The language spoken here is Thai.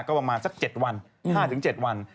ก็ประมาณสัก๗วัน๕๗วัน